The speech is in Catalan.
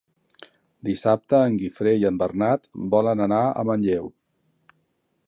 Dissabte en Guifré i en Bernat volen anar a Manlleu.